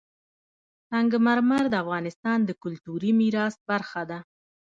سنگ مرمر د افغانستان د کلتوري میراث برخه ده.